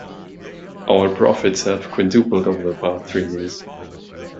Our profits have quintupled over the past three years.